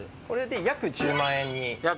これで約１０万円に。